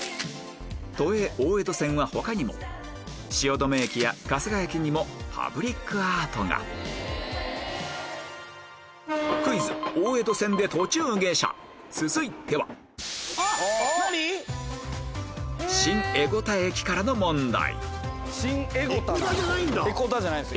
都営大江戸線は他にも汐留駅や春日駅にもパブリックアートがクイズ大江戸線で途中下車続いては新江古田駅からの問題